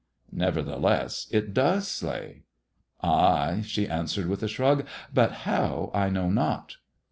" Nevertheless it does slay." " Ay," she answered with a shrug ;" but how, I know not."